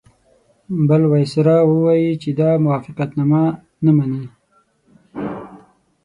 بل وایسرا ووایي چې دا موافقتنامه نه مني.